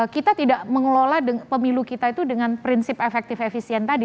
kita tidak mengelola pemilu kita itu dengan prinsip efektif efisien tadi